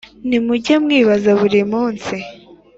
nimuge mwibaza buri munsi,